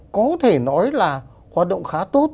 có thể nói là hoạt động khá tốt